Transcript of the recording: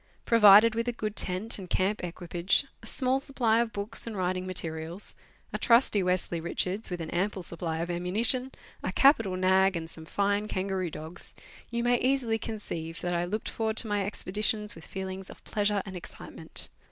Provided with a good tent and camp equipage, a small supply of books and writing materials, a trusty Westly Richards with an ample supply of ammunition, a capital nag, and some fine kangaroo dogs, you may easily conceive that I looked forward to my expeditions with feelings of pleasure and excitement.